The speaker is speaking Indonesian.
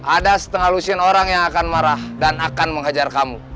ada setengah lusin orang yang akan marah dan akan menghajar kamu